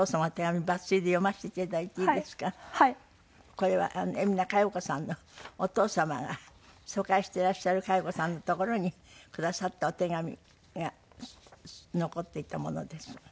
これは海老名香葉子さんのお父様が疎開してらっしゃる香葉子さんの所にくださったお手紙が残っていたものです。